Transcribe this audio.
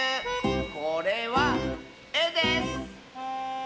これは「え」です！